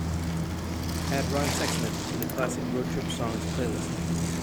Add ron sexsmith to the classic road trip songs playlist.